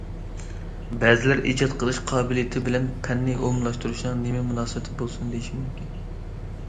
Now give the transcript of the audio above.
بەزىلەر ئىجاد قىلىش قابىلىيىتى بىلەن پەننى ئومۇملاشتۇرۇشنىڭ نېمە مۇناسىۋىتى بولسۇن، دېيىشى مۇمكىن.